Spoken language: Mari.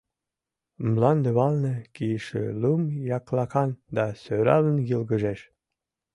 Мландывалне кийыше лум яклакан да сӧралын йылгыжеш.